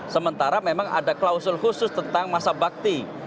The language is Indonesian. sementara memang ada klausul khusus tentang masa bakti